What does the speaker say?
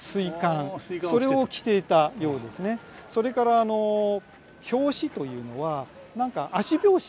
それから「拍子」というのは何か足拍子。